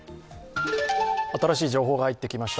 新しい情報が入ってきました。